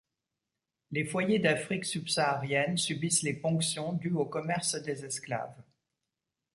Les foyers d'Afrique subsaharienne subissent les ponctions dues au commerce des esclaves.